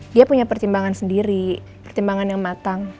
dia punya pertimbangan sendiri pertimbangan yang matang